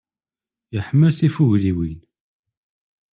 Iḥemmel tifugliwin.